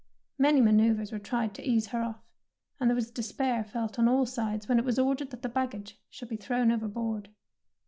Many manoeuvres were tried to ease her off, and there was despair felt on all sides when it was ordered that the baggage should be thrown overboard.